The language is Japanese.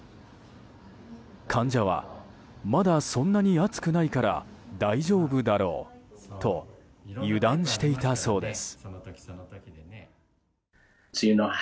患者はまだそんなに暑くないから大丈夫だろうと油断していたそうです。